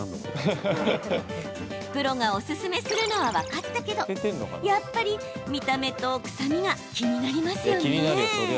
プロがおすすめするのは分かったけどやっぱり見た目と、くさみが気になりますよね。